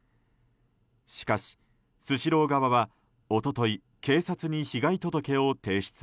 しかし、スシロー側は一昨日警察に被害届を提出。